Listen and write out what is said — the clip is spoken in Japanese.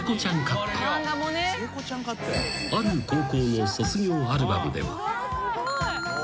［ある高校の卒業アルバムでは］